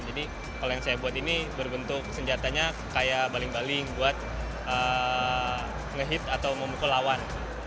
jadi kalau yang saya buat ini berbentuk senjatanya kayak baling baling buat ngehit atau memukul lawan